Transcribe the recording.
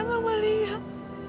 kita tersesat ses cenang